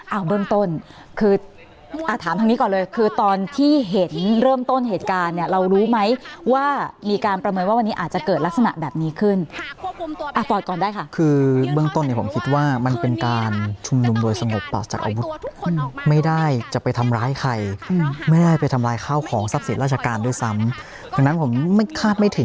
เอาเบื้องต้นคืออ่าถามทางนี้ก่อนเลยคือตอนที่เห็นเริ่มต้นเหตุการณ์เนี่ยเรารู้ไหมว่ามีการประเมินว่าวันนี้อาจจะเกิดลักษณะแบบนี้ขึ้นอ่ะปอดก่อนได้ค่ะคือเบื้องต้นเนี่ยผมคิดว่ามันเป็นการชุมนุมโดยสงบปลอดจากอาวุธไม่ได้จะไปทำร้ายใครไม่ได้ไปทำลายข้าวของทรัพย์สินราชการด้วยซ้ำดังนั้นผมไม่คาดไม่ถึง